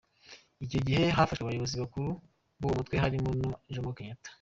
Icyo gihe hafashwe abayobozi bakuru b’uwo mutwe harimo na Jomo Kenyatta.